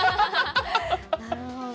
なるほど。